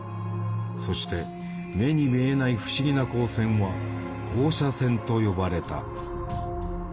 そして「目に見えない不思議な光線」は「放射線」と呼ばれた。